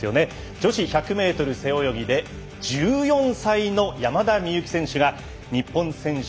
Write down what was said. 女子１００ｍ背泳ぎで１４歳の山田美幸選手が日本選手